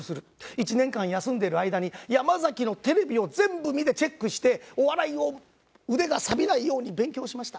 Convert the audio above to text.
１年間休んでいる間に山崎のテレビを全部見てチェックしてお笑いを腕がさびないように勉強をしました。